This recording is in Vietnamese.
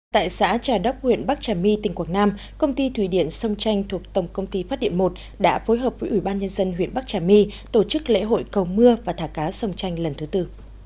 tại xã trà đốc huyện bắc trà my tỉnh quảng nam công ty thủy điện sông tranh thuộc tổng công ty phát điện một đã phối hợp với ủy ban nhân dân huyện bắc trà my tổ chức lễ hội cầu mưa và thả cá sông chanh lần thứ tư